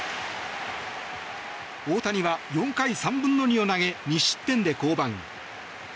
大谷は４回３分の２を投げ２失点で降板。